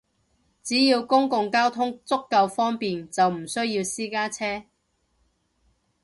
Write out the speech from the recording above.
只要公共交通足夠方便，就唔需要私家車